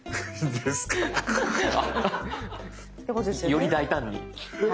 より大胆に。